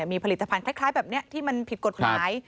มีผลิตภัณฑ์คล้ายแบบนี้ที่มันผิดกฎหมาย